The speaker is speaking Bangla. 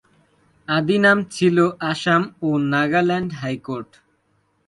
আদি নাম ছিল আসাম ও নাগাল্যান্ড হাইকোর্ট।